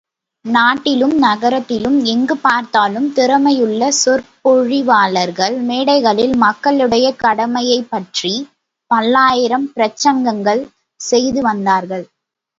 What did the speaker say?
நாட்டிலும் நகரத்திலும் எங்கு பார்த்தாலும் திறமையுள்ள சொற்பொழிவாளர்கள் மேடைகளில் மக்களுடைய கடைமையைப் பற்றிப் பல்லாயிரம் பிரசங்கங்கள் செய்து வந்தார்கள்.